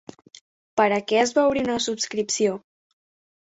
Per a què es va obrir una subscripció?